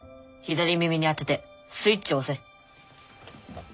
左耳に当ててスイッチを押せ。